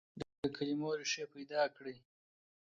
د کلمو ريښې پيدا کړئ.